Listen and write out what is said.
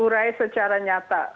berurai secara nyata